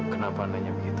kenapa anda nanya begitu